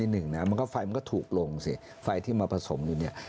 นิดหนึ่งนะมันก็ถูกลงสิไฟที่มาผสมอยู่นี่